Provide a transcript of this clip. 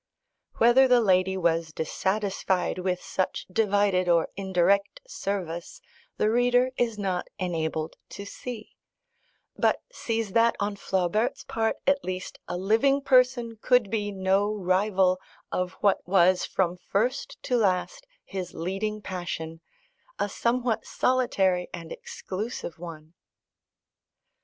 Whether the lady was dissatisfied with such divided or indirect service, the reader is not enabled to see; but sees that, on Flaubert's part at least, a living person could be no rival of what was, from first to last, his leading passion, a somewhat solitary and exclusive one.